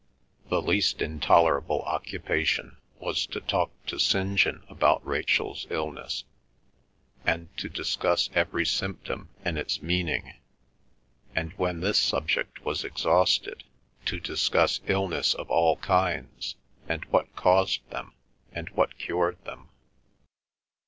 The least intolerable occupation was to talk to St. John about Rachel's illness, and to discuss every symptom and its meaning, and, when this subject was exhausted, to discuss illness of all kinds, and what caused them, and what cured them.